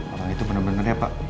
orang itu bener bener ya pak